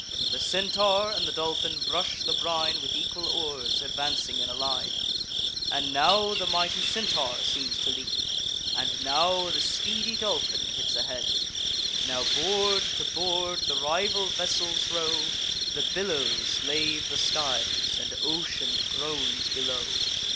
The Centaur and the Dolphin brush the brine With equal oars, advancing in a line; And now the mighty Centaur seems to lead, And now the speedy Dolphin gets ahead; Now board to board the rival vessels row, The billows lave the skies, and ocean groans below.